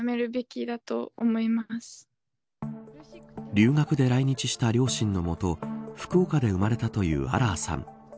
留学で来日した両親のもと福岡で生まれたというアラアさん。